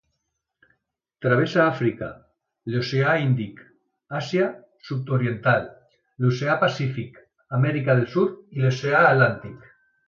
Travessa Àfrica, l'oceà Índic, Àsia sud-oriental, l’Oceà Pacífic, Amèrica del Sud i l'oceà Atlàntic.